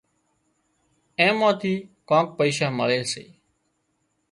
اين مان ٿي ڪانڪ پئيشا مۯي سي